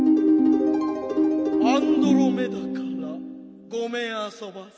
アンドロメダからごめんあそばせ。